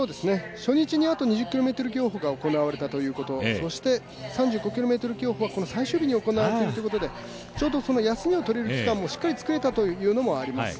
初日にあと２０ｋｍ競歩が行われたということそして、３５ｋｍ競歩は最終日に行われているということで休みを取れる期間をしっかり作れたというのもあります。